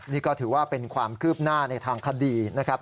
นี่ก็ถือว่าเป็นความคืบหน้าในทางคดีนะครับ